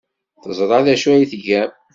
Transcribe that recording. Teẓra d acu ay tgam.